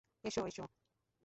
এসো, এসো।